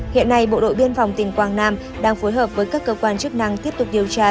hiện nay bộ đội biên phòng tỉnh quảng nam đang phối hợp với các cơ quan chức năng tiếp tục điều tra